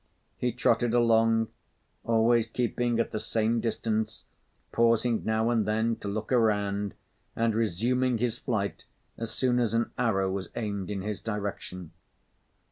He trotted along, always keeping at the same distance, pausing now and then to look around and resuming his flight as soon as an arrow was aimed in his direction.